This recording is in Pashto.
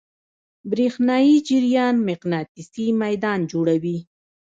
برېښنایی جریان مقناطیسي میدان جوړوي.